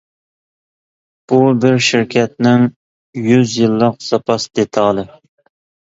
بۇ بىر شىركەتنىڭ «يۈز يىللىق زاپاس دېتالى» !